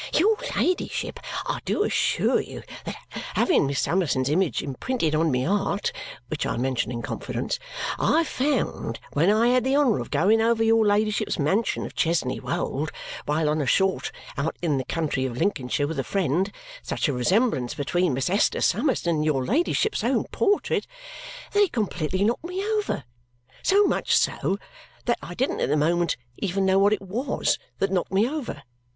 "Your ladyship, I do assure you that having Miss Summerson's image imprinted on my 'eart which I mention in confidence I found, when I had the honour of going over your ladyship's mansion of Chesney Wold while on a short out in the county of Lincolnshire with a friend, such a resemblance between Miss Esther Summerson and your ladyship's own portrait that it completely knocked me over, so much so that I didn't at the moment even know what it WAS that knocked me over.